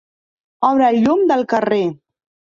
Obre el llum del carrer.